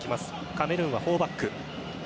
カメルーンは４バック。